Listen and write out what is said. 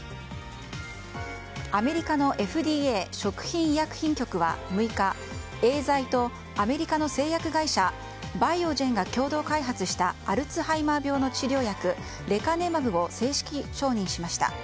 アメリカのＦＤＡ・食品医薬品局は６日エーザイとアメリカの製薬会社バイオジェンが共同開発したアルツハイマー病の治療薬レカネマブを正式承認しました。